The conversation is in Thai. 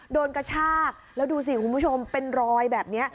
กระชากแล้วดูสิคุณผู้ชมเป็นรอยแบบนี้